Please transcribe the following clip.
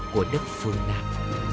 của đất phương nam